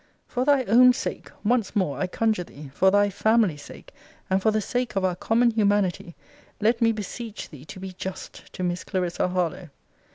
For thy own sake, once more I conjure thee, for thy family's sake, and for the sake of our common humanity, let me beseech thee to be just to Miss Clarissa Harlowe.